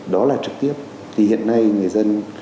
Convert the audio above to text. đó là trực tiếp thì hiện nay người dân